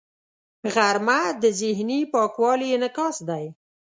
غرمه د ذهني پاکوالي انعکاس دی